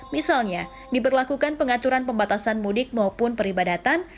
misalnya diberlakukan pengaturan pembatasan mudik maupun peribadatan